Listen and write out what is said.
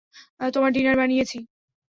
তোমার ডিনার বানিয়েছি।